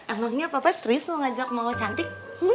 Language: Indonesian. emangnya papa serius mau ngajak mama cantik